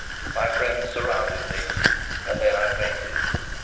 My friends surrounded me, and then I fainted.